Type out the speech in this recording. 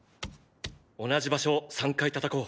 同じ場所を３回たたこう。